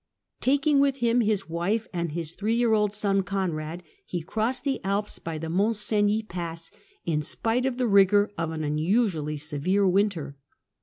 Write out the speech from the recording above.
Taking with him his wife and his three year old son Conrad, he crossed the Alps by the Mont Cenis pass, in spite of the rigour of an unusually severe winter.